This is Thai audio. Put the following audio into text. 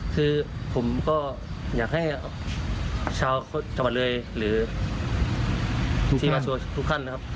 คือผมก็อยากให้ชาวจังหวัดเลยหรือที่มาโชว์ทุกท่านนะครับ